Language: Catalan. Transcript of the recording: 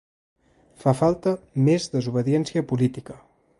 Fa falta més desobediència política.